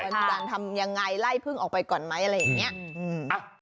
มีการทำยังไงไล่พึ่งออกไปก่อนไหมอะไรอย่างนี้